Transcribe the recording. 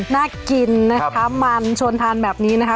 น่ากินนะคะมันชวนทานแบบนี้นะคะ